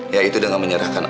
yaitu dengan menyerahkan aku